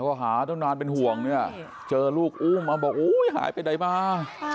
พอหาต้นานเป็นห่วงเจอลูกอุ้มมาบอกหายไปไหนมา